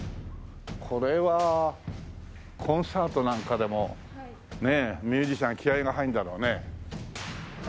これはコンサートなんかでもミュージシャン気合が入るんだろうね。